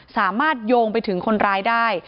สามารถโยงไปถึงคนร้ายได้